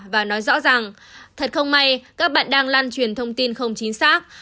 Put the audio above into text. và nói rõ rằng thật không may các bạn đang lan truyền thông tin không chính xác